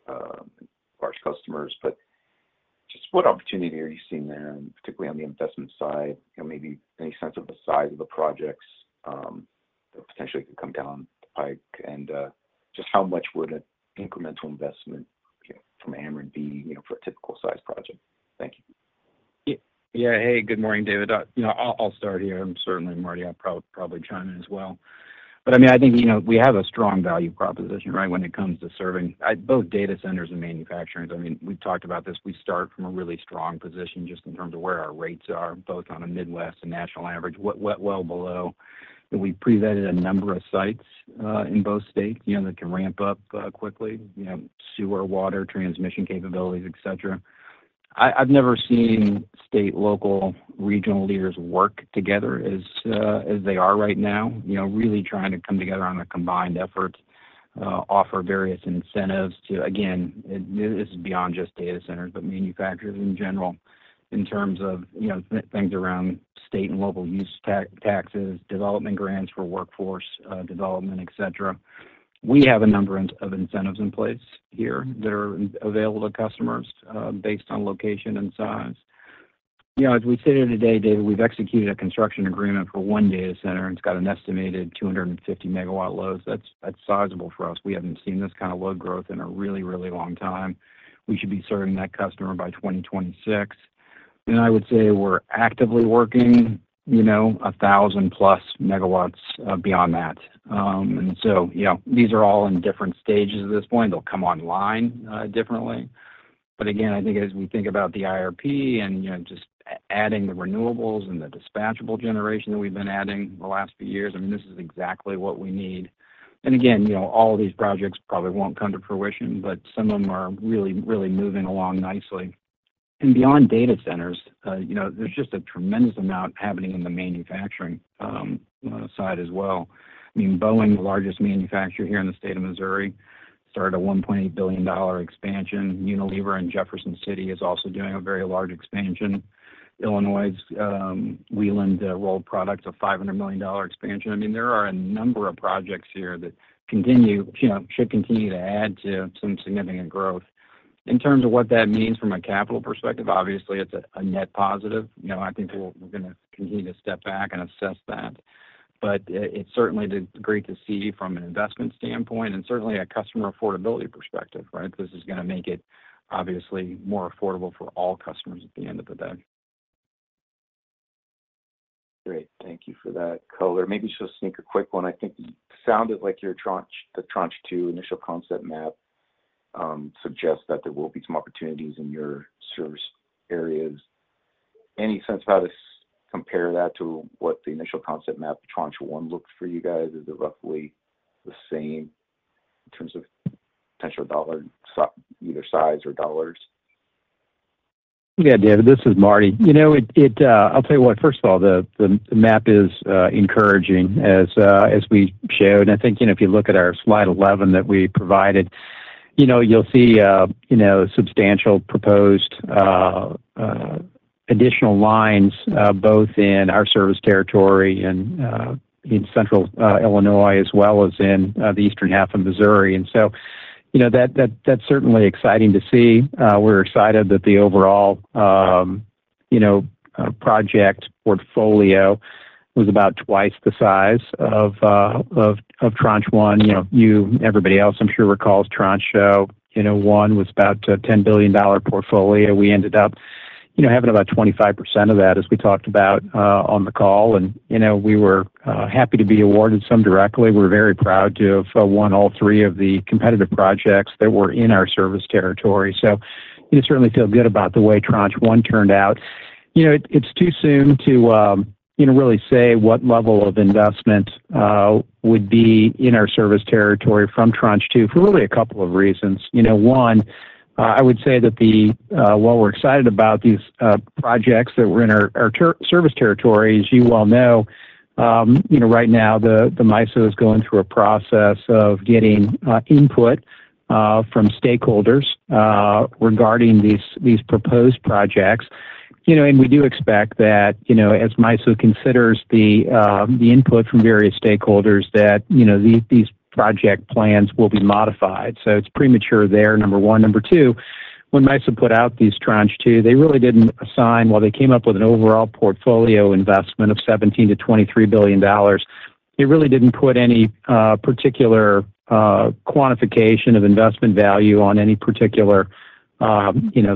large customers. But just what opportunity are you seeing there, particularly on the investment side? Maybe any sense of the size of the projects that potentially could come down the pike? And just how much would an incremental investment from Ameren be for a typical-sized project? Thank you. Yeah. Hey. Good morning, David. I'll start here. I'm certain Marty'll probably chime in as well. But I mean, I think we have a strong value proposition, right, when it comes to serving both data centers and manufacturers. I mean, we've talked about this. We start from a really strong position just in terms of where our rates are, both on a Midwest and national average, well below. We presented a number of sites in both states that can ramp up quickly, sewer water, transmission capabilities, etc. I've never seen state, local, regional leaders work together as they are right now, really trying to come together on a combined effort, offer various incentives to again, this is beyond just data centers but manufacturers in general in terms of things around state and local use taxes, development grants for workforce development, etc. We have a number of incentives in place here that are available to customers based on location and size. As we sit here today, David, we've executed a construction agreement for one data center, and it's got an estimated 250-MW loads. That's sizable for us. We haven't seen this kind of load growth in a really, really long time. We should be serving that customer by 2026. And I would say we're actively working 1,000+ MW beyond that. And so these are all in different stages at this point. They'll come online differently. But again, I think as we think about the IRP and just adding the renewables and the dispatchable generation that we've been adding the last few years, I mean, this is exactly what we need. And again, all of these projects probably won't come to fruition, but some of them are really, really moving along nicely. Beyond data centers, there's just a tremendous amount happening in the manufacturing side as well. I mean, Boeing, the largest manufacturer here in the state of Missouri, started a $1.8 billion expansion. Unilever in Jefferson City is also doing a very large expansion. Illinois's Wieland Rolled Products, a $500 million expansion. I mean, there are a number of projects here that should continue to add to some significant growth. In terms of what that means from a capital perspective, obviously, it's a net positive. I think we're going to continue to step back and assess that. But it's certainly great to see from an investment standpoint and certainly a customer affordability perspective, right? This is going to make it obviously more affordable for all customers at the end of the day. Great. Thank you for that, color. Maybe just a sneak a quick one. I think it sounded like the Tranche 2 initial concept map suggests that there will be some opportunities in your service areas. Any sense of how to compare that to what the initial concept map, Tranche 1, looked for you guys? Is it roughly the same in terms of potential dollar, either size or dollars? Yeah, David. This is Marty. I'll tell you what. First of all, the map is encouraging as we showed. I think if you look at our slide 11 that we provided, you'll see substantial proposed additional lines both in our service territory and in central Illinois as well as in the eastern half of Missouri. So that's certainly exciting to see. We're excited that the overall project portfolio was about twice the size of Tranche 1. You, everybody else, I'm sure, recalls Tranche 1. It was about a $10 billion portfolio. We ended up having about 25% of that, as we talked about on the call. We were happy to be awarded some directly. We're very proud to have won all three of the competitive projects that were in our service territory. You certainly feel good about the way Tranche 1 turned out. It's too soon to really say what level of investment would be in our service territory from Tranche 2 for really a couple of reasons. One, I would say that what we're excited about, these projects that were in our service territory, as you well know, right now, the MISO is going through a process of getting input from stakeholders regarding these proposed projects. And we do expect that as MISO considers the input from various stakeholders, that these project plans will be modified. So it's premature there, number one. Number two, when MISO put out these Tranche 2, they really didn't assign well, they came up with an overall portfolio investment of $17 billion-$23 billion. They really didn't put any particular quantification of investment value on any particular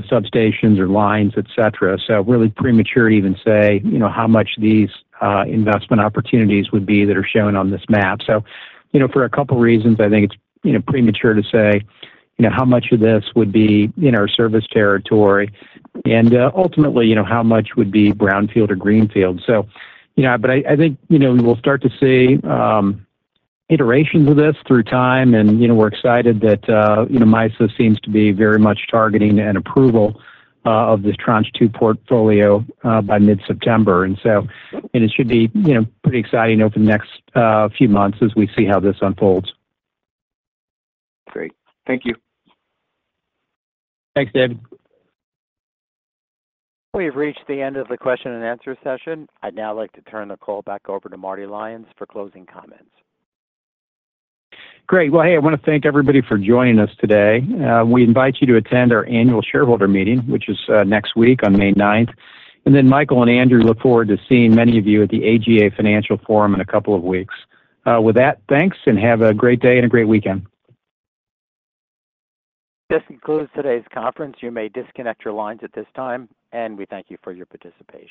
substations or lines, etc. So really premature to even say how much these investment opportunities would be that are shown on this map. So for a couple of reasons, I think it's premature to say how much of this would be in our service territory and ultimately how much would be brownfield or greenfield. But I think we will start to see iterations of this through time. And we're excited that MISO seems to be very much targeting an approval of this Tranche 2 portfolio by mid-September. And it should be pretty exciting over the next few months as we see how this unfolds. Great. Thank you. Thanks, David. We have reached the end of the question and answer session. I'd now like to turn the call back over to Marty Lyons for closing comments. Great. Well, hey, I want to thank everybody for joining us today. We invite you to attend our annual shareholder meeting, which is next week on May 9th. And then Michael and Andrew look forward to seeing many of you at the AGA Financial Forum in a couple of weeks. With that, thanks, and have a great day and a great weekend. This concludes today's conference. You may disconnect your lines at this time. We thank you for your participation.